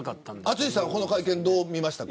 淳さんはこの会見どう見ましたか。